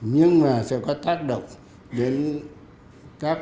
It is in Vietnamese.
nhưng mà sẽ có tác động đến các